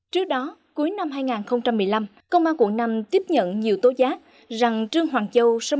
trước đó cuối năm hai nghìn một mươi năm công an quận năm tiếp nhận nhiều tố giác rằng trương hoàng châu